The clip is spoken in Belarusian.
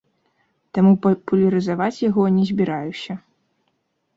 Таму папулярызаваць яго не збіраюся.